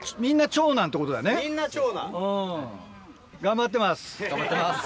長男頑張ってます。